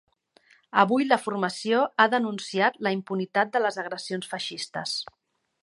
Avui la formació ha denunciat la impunitat de les agressions feixistes.